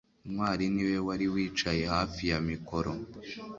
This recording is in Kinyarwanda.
ntwali niwe wari wicaye hafi ya mikoro